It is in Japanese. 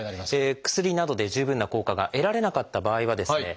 薬などで十分な効果が得られなかった場合はですね